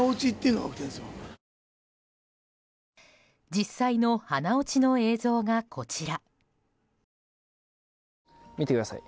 実際の花落ちの映像がこちら。